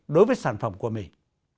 đối với sản phẩm của mình